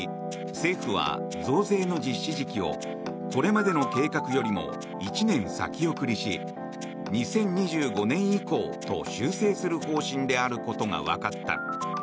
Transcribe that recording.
政府は増税の実施時期をこれまでの計画よりも１年先送りし２０２５年以降と、修正する方針であることが分かった。